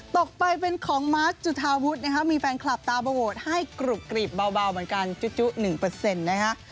ต่อไปเป็นของม้าจุธาวุฒิ์นะครับมีแฟนคลับตามาโหวดให้กรุบกรีบเบาเหมือนกันจุ๊บหนึ่งเปอร์เซ็นต์นะฮะ